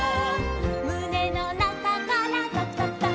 「むねのなかからとくとくとく」